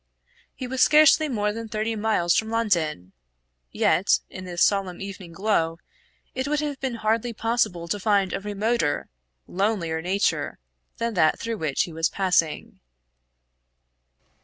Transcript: He was scarcely more than thirty miles from London; yet in this solemn evening glow it would have been hardly possible to find a remoter, lonelier nature than that through which he was passing.